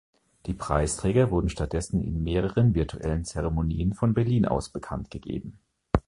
Die Preisträger wurden stattdessen in mehreren virtuellen Zeremonien von Berlin aus bekanntgegeben.